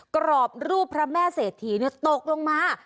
กรอบรูปพระแม่เศรษฐีตกลงมา